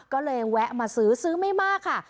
ก็เลยแวะมาซื้อซื้อไม่มากค่ะ